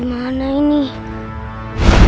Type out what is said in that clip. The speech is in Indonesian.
aku akan membuatmu mati